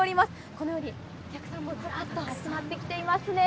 このようにお客さんもずらっと集まってきていますね。